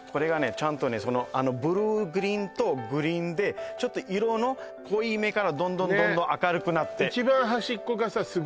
ちゃんとねあのブルーグリーンとグリーンでちょっと色の濃いめからどんどんどんどん明るくなってねえ